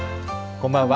こんばんは。